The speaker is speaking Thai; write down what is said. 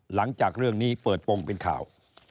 หลังจากเรื่องนี้เปิดโปรงเป็นข่าว